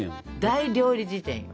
「大料理事典」よ。